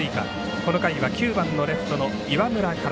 この回は９番のレフトの岩村から。